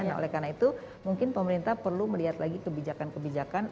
nah oleh karena itu mungkin pemerintah perlu melihat lagi kebijakan kebijakan